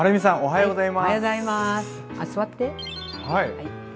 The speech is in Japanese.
はい。